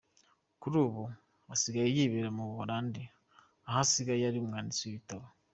Kuri ubu, asigaye yibera mu Buholandi aho asigaye ari umwanditsi w’ibitabo.